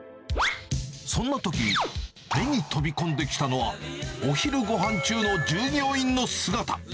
そんなとき、目に飛び込んできたのは、お昼ごはん中の従業員の姿。